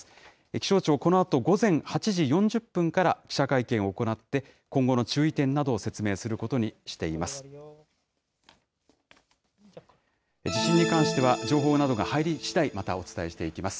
気象庁、このあと午前８時４０分から記者会見を行って、今後の注意点などを説明することにしています。